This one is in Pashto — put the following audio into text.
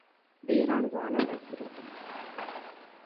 د ایران ځوانان عصري دي.